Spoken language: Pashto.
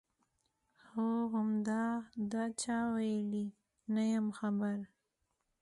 هو همدا، دا چا ویلي؟ نه یم خبر.